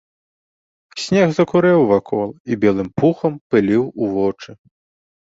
Снег закурэў вакол і белым пухам пыліў у вочы.